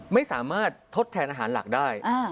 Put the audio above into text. ไม่สามารถทดแทนอาหารหลักได้